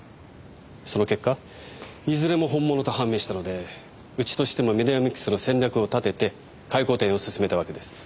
その結果いずれも本物と判明したのでうちとしてもメディアミックスの戦略を立てて回顧展を進めたわけです。